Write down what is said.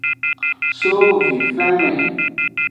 So vifenme.